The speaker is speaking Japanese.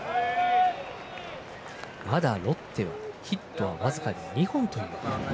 まだ、ロッテはヒットが僅かに２本という。